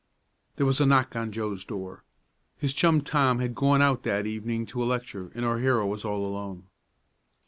There was a knock on Joe's door. His chum Tom had gone out that evening to a lecture, and our hero was all alone.